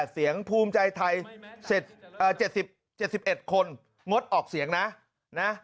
เสียงภูมิใจไทย๗๑คนงดออกเสียงนะนะ